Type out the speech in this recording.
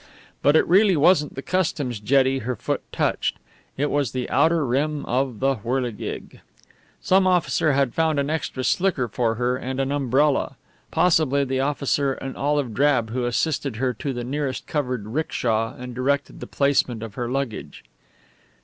But it really wasn't the customs jetty her foot touched; it was the outer rim of the whirligig. Some officer had found an extra slicker for her and an umbrella. Possibly the officer in olive drab who assisted her to the nearest covered 'ricksha and directed the placement of her luggage.